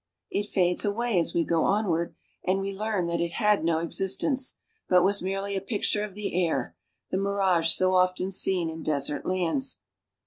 It fades away as iiing along we go onward, and we learn that it had no existence; but was merely a picture of the air, the mirage so often seen in desert lands.